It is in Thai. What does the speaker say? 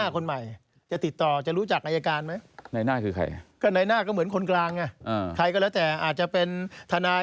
ก็อาจจะไปอายกงอายการเลย